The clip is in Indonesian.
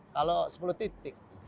kalau sepuluh titik